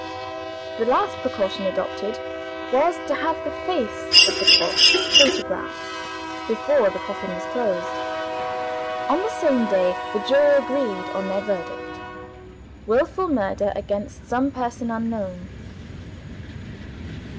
The last precaution adopted was to have the face of the corpse photographed, before the coffin was closed. On the same day the jury agreed on their verdict: "Willful murder against some person unknown."